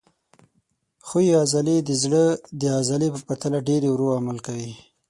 ښویې عضلې د زړه د عضلې په پرتله ډېر ورو عمل کوي.